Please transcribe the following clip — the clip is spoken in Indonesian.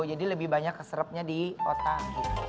jadi lebih banyak keserapnya di otak